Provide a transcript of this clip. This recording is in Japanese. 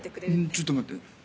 ちょっと待って。